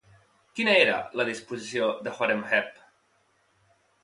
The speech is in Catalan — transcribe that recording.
Quina era la disposició de Horemheb?